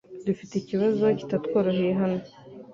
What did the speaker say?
Dufite ikibazo kitatworoheye hano .